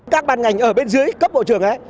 các ban ngành ở bên dưới cấp bộ trưởng ấy